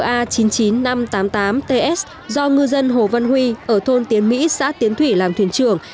tàu cá na chín mươi chín nghìn năm trăm tám mươi tám ts do ngư dân hồ văn huy ở thôn tiến mỹ xã tiến thủy làm thuyền trưởng